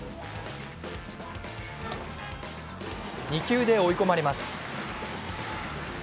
２球で追い込まれます。